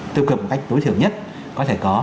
tiêu cực một cách tối thiểu nhất có thể có